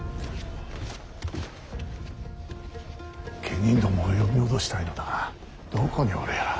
家人どもを呼び戻したいのだがどこにおるやら。